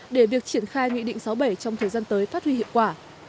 để việc triển khai nghị định sáu bảy trong thời gian tới phát huy hiệu quả